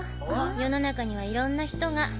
世の中にはいろんな人が。